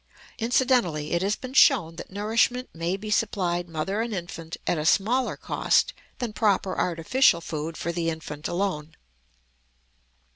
Incidentally it has been shown that nourishment may be supplied mother and infant at a smaller cost than proper artificial food for the infant alone.